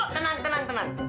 tenang tenang tenang